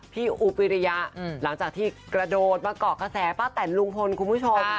พี่อุปิริยะหลังจากที่กระโดดมาเกาะกระแสป้าแต่นลุงพลคุณผู้ชม